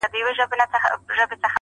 • پوهېدی چي نور د نوي کور مقیم سو -